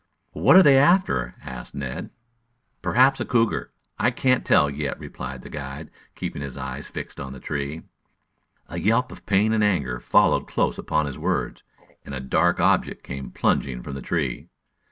"What are they after?" asked Ned. "Perhaps a cougar. I can't tell, yet," replied the guide, keeping his eye fixed on the tree. A yelp of pain and anger followed close upon his words, and a dark object came plunging from the tree.